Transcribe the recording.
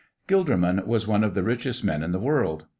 Gilderman was one of the richest men in the world.